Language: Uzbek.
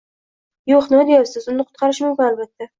Yoʻq, nima deyapsiz… Uni qutqarish mumkin, albatta.